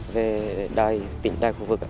về tỉnh đài khu vực